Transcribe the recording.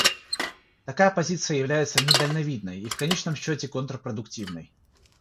Такая позиция является недальновидной и в конечном счете контрпродуктивной.